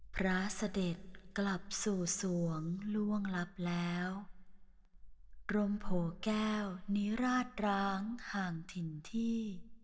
พระเสด็จกลับสู่สวงล่วงลับแล้วกรมโผแก้วนิราชร้างห่างถิ่นที่